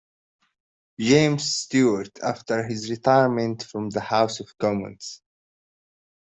James Stuart after his retirement from the House of Commons.